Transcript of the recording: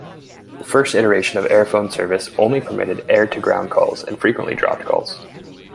The first iteration of Airfone service only permitted air-to-ground calls and frequently dropped calls.